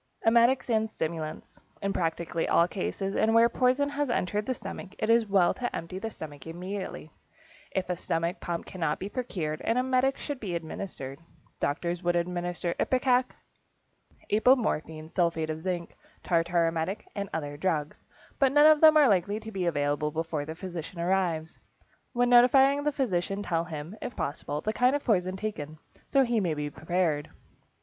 =Emetics and Stimulants.= In practically all cases, and where poison has entered the stomach, it is well to empty the stomach immediately. If a stomach pump cannot be procured, an emetic should be administered. Doctors would administer ipecac, apomorphine, sulphate of zinc, tartar emetic, and other drugs, but none of them are likely to be available before the physician arrives. When notifying the physician tell him, if possible, the kind of poison taken, so he may be prepared.